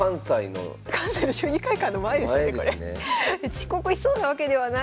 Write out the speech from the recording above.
遅刻しそうなわけではないので。